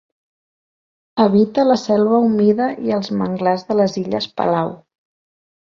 Habita la selva humida i els manglars de les illes Palau.